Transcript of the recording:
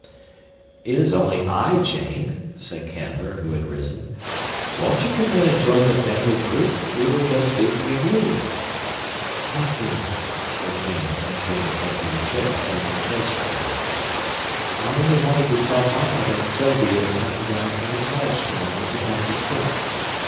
"It is only I, Jane," said Canler, who had risen, "won't you come in and join the family group? We were just speaking of you." "Thank you," said Jane, entering and taking the chair Canler placed for her. "I only wanted to tell papa that Tobey is coming down from the college tomorrow to pack his books.